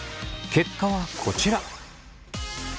結果はこちら。